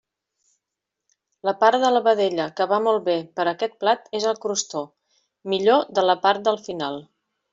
La part de la vedella que va molt bé per a aquest plat és el crostó, millor de la part del final.